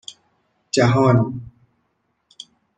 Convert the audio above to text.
جهان